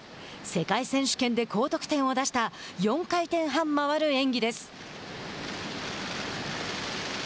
世界選手権で高得点を出した４回転半回る演技です。